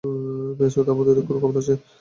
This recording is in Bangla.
মেস এবং তার বন্ধুদের কোনো খবর আছে?